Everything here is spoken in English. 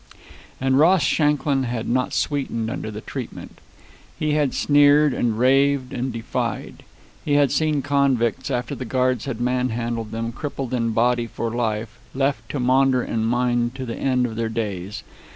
And Ross Shanklin had not sweetened under the treatment. He had sneered, and raved, and defied. He had seen convicts, after the guards had manhandled them, crippled in body for life, or left to maunder in mind to the end of their days.